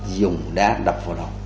dùng đá đập vào đầu